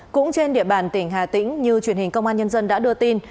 cũng trên địa bàn tỉnh hà tĩnh như truyền hình công an nhân dân đã đưa tin